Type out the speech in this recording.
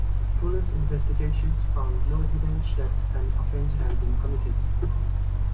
Police investigations found no evidence that an offence had been committed.